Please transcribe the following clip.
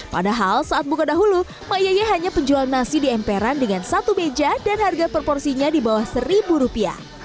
padahal saat buka dahulu ⁇ maye hanya penjual nasi di emperan dengan satu meja dan harga proporsinya di bawah seribu rupiah